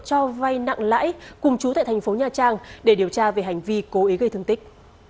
cho vay nặng lãi cùng chú tại thành phố nha trang để điều tra về hành vi cố ý gây thương tích